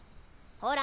ほら！